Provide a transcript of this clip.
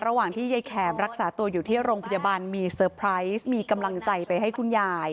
ระหว่างที่ยายแขมรักษาตัวอยู่ที่โรงพยาบาลมีเซอร์ไพรส์มีกำลังใจไปให้คุณยาย